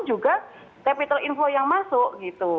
dan juga capital info yang masuk gitu